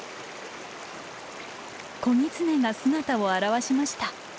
子ギツネが姿を現しました。